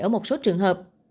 ở một số trường hợp